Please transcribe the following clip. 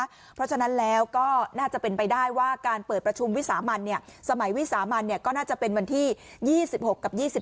เพราะฉะนั้นแล้วก็น่าจะเป็นไปได้ว่าการเปิดประชุมวิสามันสมัยวิสามันก็น่าจะเป็นวันที่๒๖กับ๒๔